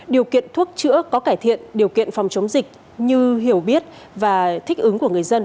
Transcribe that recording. điều kiện thuốc chữa có cải thiện điều kiện phòng chống dịch như hiểu biết và thích ứng của người dân